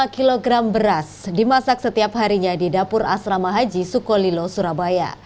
lima kg beras dimasak setiap harinya di dapur asrama haji sukolilo surabaya